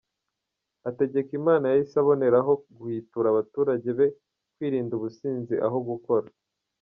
Hategekimana yahise aboneraho guhwitura abaturage be kwirinda ubusinzi aho gukora.